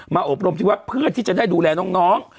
อบรมที่วัดเพื่อที่จะได้ดูแลน้อง